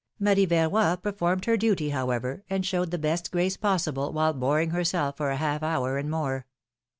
Marie Verroy performed her duty, however, and showed the best grace possible, while boring herself for a half hour and more.